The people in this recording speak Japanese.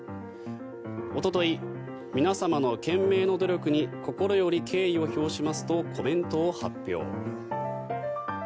おととい、皆様の懸命の努力に心より敬意を表しますとコメントを発表。